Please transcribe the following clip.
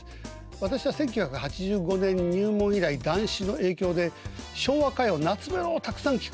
私は１９８５年入門以来談志の影響で昭和歌謡懐メロをたくさん聴くようになったんですね。